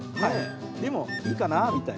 でもいいかなみたいな。